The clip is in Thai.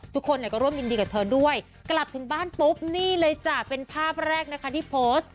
ทุกคนเนี่ยก็ร่วมยินดีกับเธอด้วยกลับถึงบ้านปุ๊บนี่เลยจ้ะเป็นภาพแรกนะคะที่โพสต์